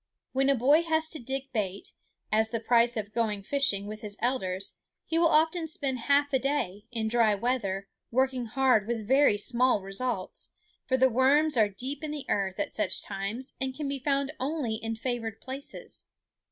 When a boy has to dig bait, as the price of going fishing with his elders, he will often spend half a day, in dry weather, working hard with very small results; for the worms are deep in the earth at such times and can be found only in favored places.